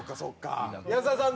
安田さん